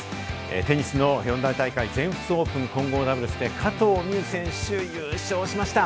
テニスの４大大会、全仏オープン混合ダブルスで加藤未唯選手、優勝しました！